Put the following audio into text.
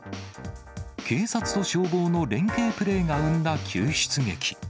警察と消防の連係プレーが生んだ救出劇。